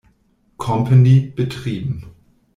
Company" betrieben.